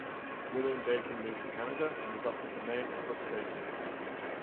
William Daykin, moved to Canada, and adopted the name Brooke-Daykin.